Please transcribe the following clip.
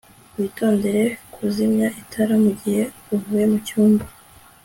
Witondere kuzimya itara mugihe uvuye mucyumba